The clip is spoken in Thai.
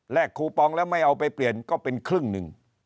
คูปองแล้วไม่เอาไปเปลี่ยนก็เป็นครึ่งหนึ่ง